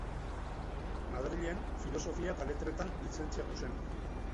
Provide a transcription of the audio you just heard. Madrilen, Filosofia eta Letretan lizentziatu zen.